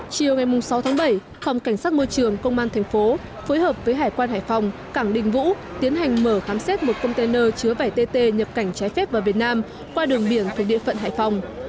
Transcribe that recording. chiều ngày sáu tháng bảy phòng cảnh sát môi trường công an thành phố phối hợp với hải quan hải phòng cảng đình vũ tiến hành mở khám xét một container chứa vải tt nhập cảnh trái phép vào việt nam qua đường biển thuộc địa phận hải phòng